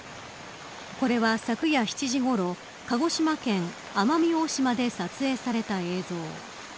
これは、昨夜７時ごろ鹿児島県奄美大島で撮影された映像。